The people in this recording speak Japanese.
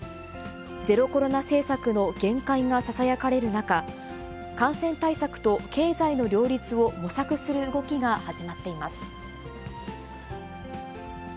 ゼロコロナ政策の限界がささやかれる中、感染対策と経済の両立を模索する動きが始まっています。